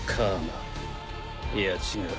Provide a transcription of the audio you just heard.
楔いや違う。